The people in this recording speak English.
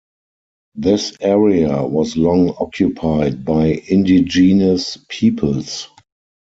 This area was long occupied by indigenous peoples.